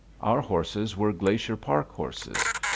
Our horses were Glacier Park horses.